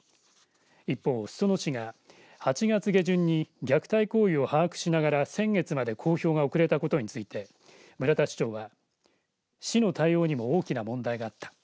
一方、裾野市が８月下旬に虐待行為を把握しながら先月まで公表が遅れたことについて村田市長は市の対応にも大きな問題があった。